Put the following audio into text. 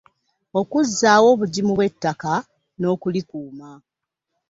Okuzzaawo obugimu bw’ettaka n’okulikuuma.